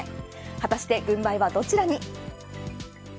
果たして、軍配はどちらに。